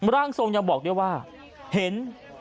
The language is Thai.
ร่างทรงยังบอกด้วยว่าเห็น